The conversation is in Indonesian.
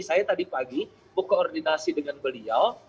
saya tadi pagi buku koordinasi dengan beliau